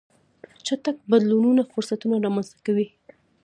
چټک بدلونونه فرصتونه رامنځته کوي.